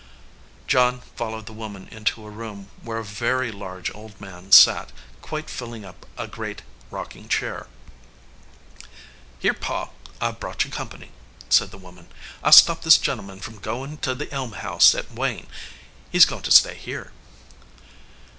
John followed the woman into a room where a very large old man sat, quite filling up a great rocking chair. "Here, Pa. I ve brought you company," said the woman. "I stopped this gentleman from goin 290 "A RETREAT TO THE GOAL" to the Elm House at Wayne. He s goin to stay here."